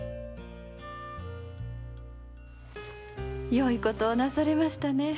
よいことをなされましたね